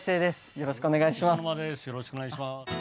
よろしくお願いします。